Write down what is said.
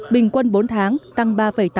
bình quân bốn tháng tăng ba tám mươi bốn